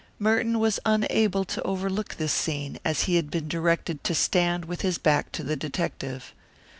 Merton was unable to overlook this scene, as he had been directed to stand with his back to the detective.